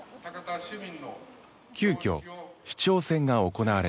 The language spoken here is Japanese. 急きょ市長選が行われた。